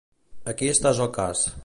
Aquí està el cas.